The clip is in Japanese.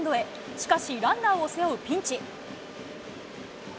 しかし、ランナーを背負うピンチ。